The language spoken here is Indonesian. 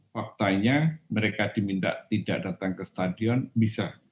faktanya mereka diminta tidak datang ke stadion bisa